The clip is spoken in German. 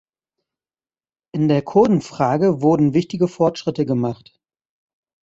In der Kurdenfrage wurden wichtige Fortschritte gemacht.